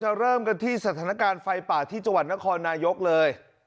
เริ่มกันที่สถานการณ์ไฟป่าที่จังหวัดนครนายกเลย